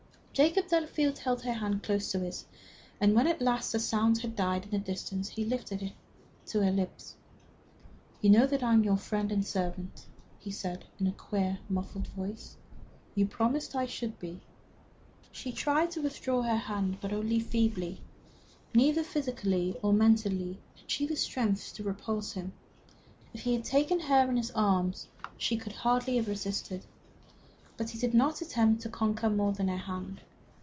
Jacob Delafield held her hand close in his, and when at last the sounds had died in the distance he lifted it to his lips. "You know that I am your friend and servant," he said, in a queer, muffled voice. "You promised I should be." She tried to withdraw her hand, but only feebly. Neither physically nor mentally had she the strength to repulse him. If he had taken her in his arms, she could hardly have resisted. But he did not attempt to conquer more than her hand.